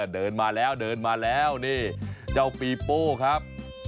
เดินมาแล้วเดินมาแล้วนี่เจ้าปีโป้ครับ